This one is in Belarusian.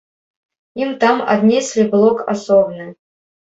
Ім там аднеслі блок асобны.